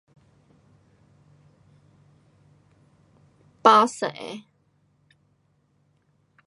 白色的